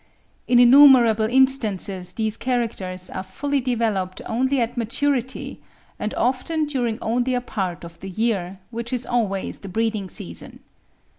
In innumerable instances these characters are fully developed only at maturity, and often during only a part of the year, which is always the breeding season.